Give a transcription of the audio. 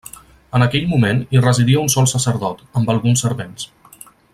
En aquell moment hi residia un sol sacerdot, amb alguns servents.